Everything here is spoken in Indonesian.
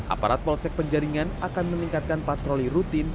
aparat polsek penjaringan akan meningkatkan patroli rutin